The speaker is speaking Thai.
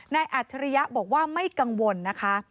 อัจฉริยะบอกว่าไม่กังวลนะคะ